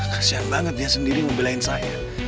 kasian banget dia sendiri mau belajin saya